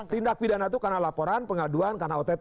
tindak pidana itu karena laporan pengaduan karena ott